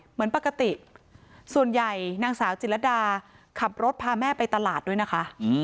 เหมือนปกติส่วนใหญ่นางสาวจิรดาขับรถพาแม่ไปตลาดด้วยนะคะ